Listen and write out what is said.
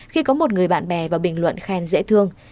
khi có một người bạn bè và bình luận khen dễ thương